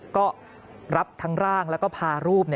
ก็รับทั้งร่างแล้วก็พารูป